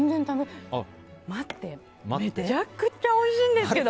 待って、めちゃくちゃおいしいんですけど！